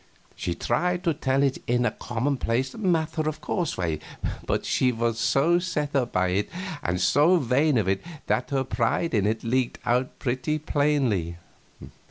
She tried to tell it in a commonplace, matter of course way, but she was so set up by it and so vain of it that her pride in it leaked out pretty plainly.